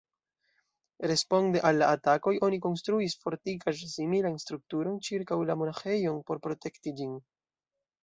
Responde al la atakoj, oni konstruis fortikaĵ-similan strukturon ĉirkaŭ la monaĥejon, por protekti ĝin.